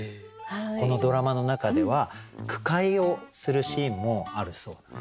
このドラマの中では句会をするシーンもあるそうなんですね。